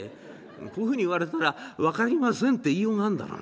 こういうふうに言われたら『分かりません』って言いようがあんだろう。